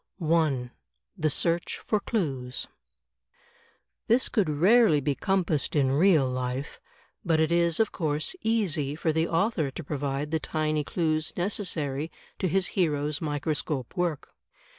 I, The Search for Clues This could rarely be compassed in real life, but it is, of course, easy for the author to provide the tiny clues neces sary to his hero's microscope work.